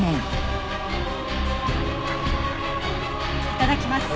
いただきます。